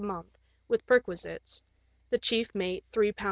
a month with perquisites, the chief mate £3 10^.